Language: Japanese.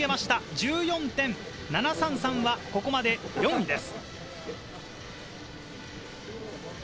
１４．７３３はここまで４位です。